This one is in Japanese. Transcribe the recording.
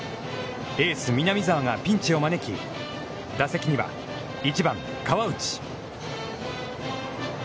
エース南沢がピンチを招き、打席には、１番河内。